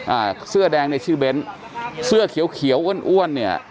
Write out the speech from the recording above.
อ่าเสื้อแดงนี้ชื่อเบ้นเสื้อเขียวอ้วนเนี่ย